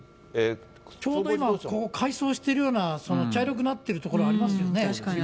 ちょうど今、ここ改装してるような、その茶色くなっている所ありますよね。